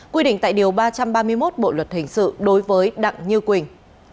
quy định tại điều ba trăm ba mươi một bộ luật hình sự đối với đặng như quỳnh